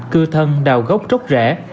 cư thân đào gốc trốt rễ